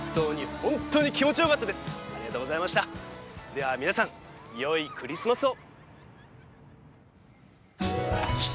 では皆さん、よいクリスマスを。